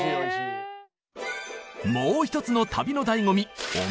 もう一つの旅の醍醐味